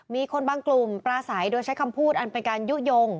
มีคนบางกลุ่มปราศัยโดยใช้คำพูดอันเป็นการยุโยง